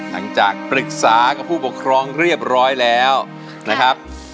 หลังจากปรึกษากับผู้ปกครองเรียบร้อยแล้วนะครับ